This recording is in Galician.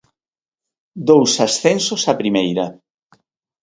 Dous ascensos a primeira.